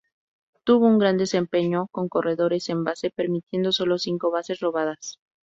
Tuvo un gran desempeño con corredores en base, permitiendo solo cinco bases robadas.